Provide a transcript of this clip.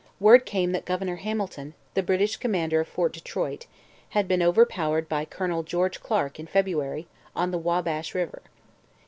Word came that Governor Hamilton, the British commander of Fort Detroit, had been overpowered by Colonel George Clark, in February, on the Wabash river.